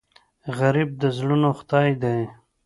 غریب د زړونو خدای دی